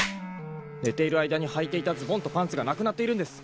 寝ている間にはいていたズボンとパンツがなくなっているんです。